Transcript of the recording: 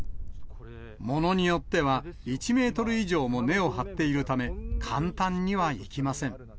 ものによっては１メートル以上も根を張っているため、簡単にはいきません。